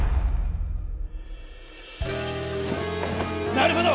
なるほど！